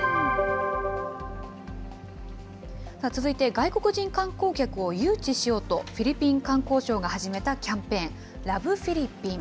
さあ、続いて外国人観光客を誘致しようと、フィリピン観光省が始めたキャンペーン、ラブ・フィリピン。